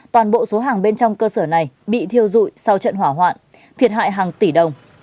toàn bộ số hàng bên trong cơ sở này bị thiêu dụi sau trận hỏa hoạn thiệt hại hàng tỷ đồng